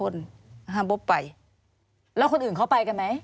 แล้วเขาไปกันไหม